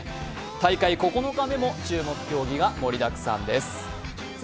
大会９日目も注目競技がたくさんです。